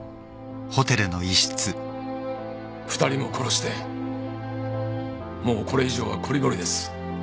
２人も殺してもうこれ以上はこりごりです